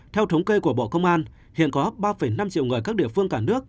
theo thống kê của bộ công an hiện có ba năm triệu người các địa phương cả nước